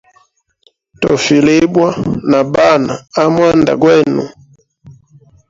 Tofilibwa na bana amwanda gwenu.